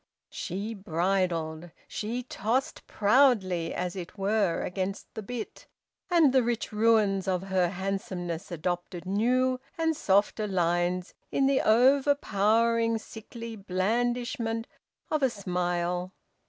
She bridled. She tossed proudly as it were against the bit. And the rich ruins of her handsomeness adopted new and softer lines in the overpowering sickly blandishment of a smile.